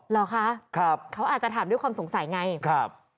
เหรอคะครับเขาอาจจะถามด้วยความสงสัยไงครับ